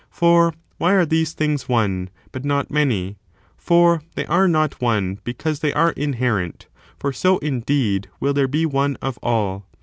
For why are these things one, but not many 1 for they are not one because they are inherent,^ for so, indeed, will there be one of all.